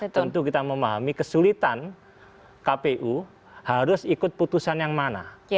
tentu kita memahami kesulitan kpu harus ikut putusan yang mana